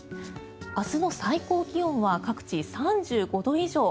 明日の最高気温は各地３５度以上。